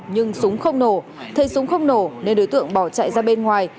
nhưng súng không nổ thấy súng không nổ nên đối tượng bỏ chạy ra bên ngoài